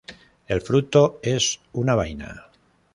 El fruto es una vaina.